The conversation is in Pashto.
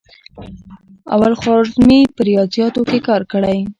الخوارزمي په ریاضیاتو کې کار کړی.